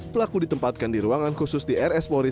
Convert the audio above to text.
pelaku ditempatkan di ruangan khusus di wrs pori